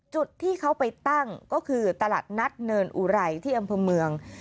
จุดที่เขาไปตั้งก็คือตลาดนัดเนินอุไรที่อำเภอเมือง